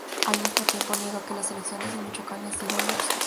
Al mismo tiempo, niega que las elecciones en Michoacán le han sido adversos.